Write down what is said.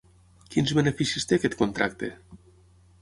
Quins beneficis té aquest contracte?